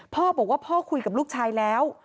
พ่อบอกว่าพ่อคุยกับลูกชายแล้ว